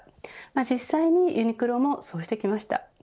実際にユニクロもそうしてきました。